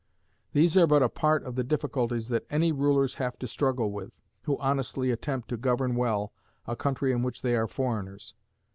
These are but a part of the difficulties that any rulers have to struggle with, who honestly attempt to govern well a country in which they are foreigners.